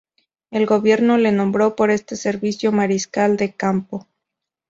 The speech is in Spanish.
El gobierno le nombró por este servicio mariscal de campo.